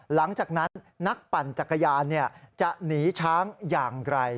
หลังจากนั้นนักปั่นจักรยานจะหนีช้างอย่างไร